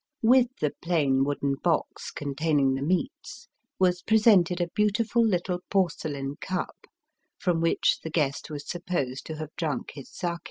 With the plain wooden box containing the meats was presented a beautiful little porcelain cup, from which the guest was supposed to have drunk his sake.